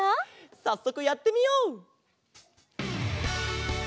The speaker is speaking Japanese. さっそくやってみよう！